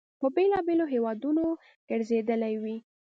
په بېلابېلو هیوادونو ګرځېدلی وي.